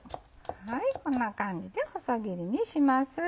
こんな感じで細切りにします。